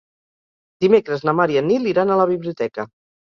Dimecres na Mar i en Nil iran a la biblioteca.